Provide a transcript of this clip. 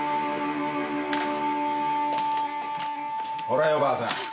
ほらよばあさん。